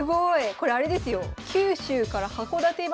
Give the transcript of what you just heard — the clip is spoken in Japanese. これあれですよ。